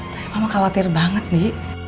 dari mama khawatir banget di